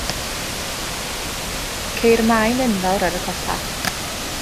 Ceir maen enfawr ar y copa.